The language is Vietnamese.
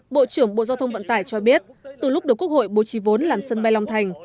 bộ trưởng bộ giao thông vận tải cho biết từ lúc được quốc hội bố trí vốn làm sân bay long thành